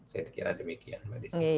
saya kira demikian mbak desi